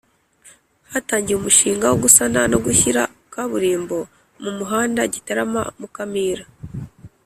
Hatangiye umushinga wo gusana no gushyira kaburimbo mu muhanda Gitarama Mukamira